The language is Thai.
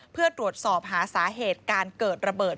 เพื่อตรวจสอบหาสาเหตุการเกิดระเบิด